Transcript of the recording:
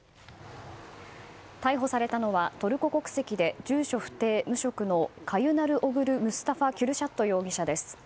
逮捕されたのはトルコ国籍で住所不定・無職のカユナルオグル・ムスタファ・キュルシャット容疑者です。